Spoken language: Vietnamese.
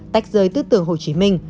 tách rơi tư tưởng hồ chí minh